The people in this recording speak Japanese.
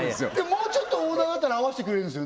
もうちょっとオーダーだったら合わせてくれるんですよね？